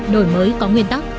đổi mới có nguyên tắc